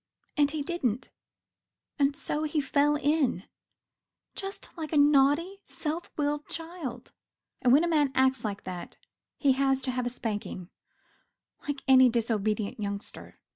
And he didn't, and so he fell in. Just like a naughty, self willed child. And when a man acts like that he has to have a spanking, like any disobedient youngster.